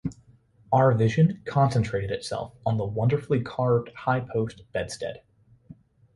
Our vision concentrated itself on the wonderfully carved high post bedstead.